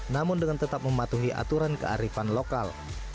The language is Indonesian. namun dengan tetap mematuhi aturan kearifan lokal